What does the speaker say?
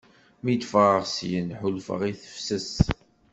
mi d-ffɣeɣ syen ḥulfaɣ i tefses.